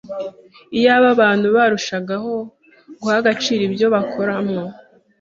Iyaba abantu barushagaho guha agaciro ibyo bakoramo